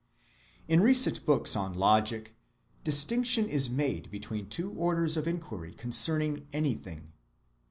In recent books on logic, distinction is made between two orders of inquiry concerning anything.